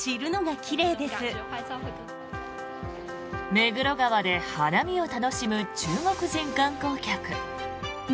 目黒川で花見を楽しむ中国人観光客。